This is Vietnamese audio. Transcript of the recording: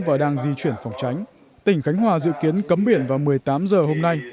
và đang di chuyển phòng tránh tỉnh khánh hòa dự kiến cấm biển vào một mươi tám h hôm nay